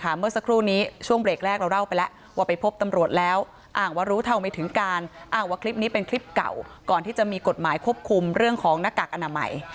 เมื่อสักครู่นี้ช่วงเบรกแรกเราเล่าไปแล้วว่าไปพบตำรวจแล้วอ้างว่ารู้เท่าไม่ถึงการอ้างว่าคลิปนี้เป็นคลิปเก่าก่อนที่จะมีกฎหมายควบคุมเรื่องของหน้ากากอนามัย